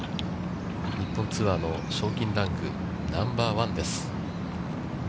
日本ツアーの賞金ランクナンバーワンです。